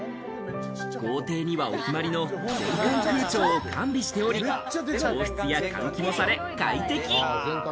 豪邸にはお決まりの全館空調を完備しており、調湿や換気もされ快適。